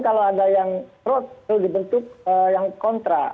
kalau ada yang prot itu dibentuk yang kontra